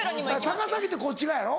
高崎ってこっち側やろ？